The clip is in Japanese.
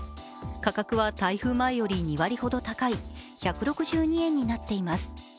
価格は台風前より２割ほど高い、１６２円になっています。